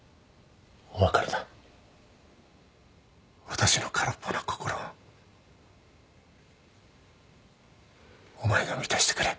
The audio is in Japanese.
私の空っぽな心お前が満たしてくれ。